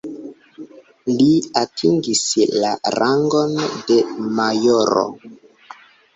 Li atingis la rangon de majoro.